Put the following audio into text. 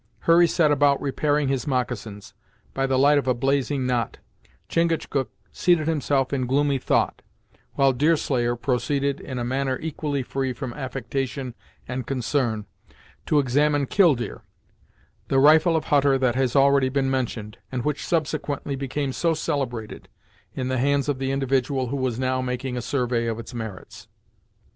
Hurry set about repairing his moccasins, by the light of a blazing knot; Chingachgook seated himself in gloomy thought, while Deerslayer proceeded, in a manner equally free from affectation and concern, to examine 'Killdeer', the rifle of Hutter that has been already mentioned, and which subsequently became so celebrated, in the hands of the individual who was now making a survey of its merits.